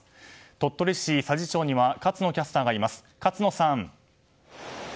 鳥取市佐治町には勝野キャスターがいます。